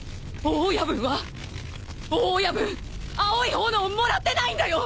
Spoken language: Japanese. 大親分青い炎をもらってないんだよ！